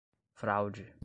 fraude